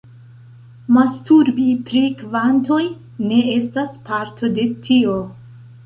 Masturbi pri kvantoj ne estas parto de tio.